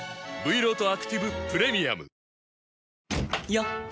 よっ！